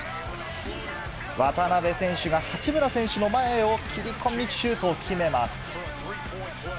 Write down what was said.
渡邊選手が八村選手の前を切り込み、シュートを決めます。